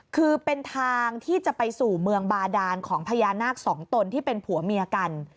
คือเป็นทางที่จะไปสู่เมืองบาดานของพญานาคสองตนที่เป็นผัวเมียกัน